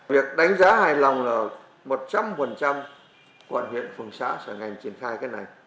việc đánh giá hài lòng là một trăm linh quận huyện phường xã sở ngành triển khai cái này